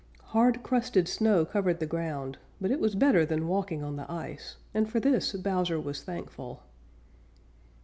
Hard crusted snow covered the ground, but it was better than walking on the ice and for this Bowser was thankful.